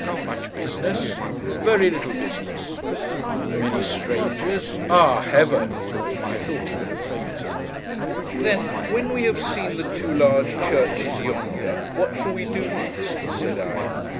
'Much business?' 'Very little business.' 'Many strangers?' 'Ah Heaven!' I thought he would have fainted. 'Then, when we have seen the two large churches yonder, what shall we do next?' said I.